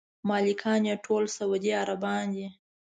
مالکان یې ټول سعودي عربان دي.